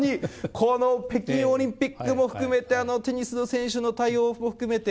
この北京オリンピックも含めて、テニスの選手の対応も含めて。